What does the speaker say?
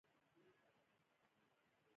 تنوع د افغان کلتور په داستانونو کې راځي.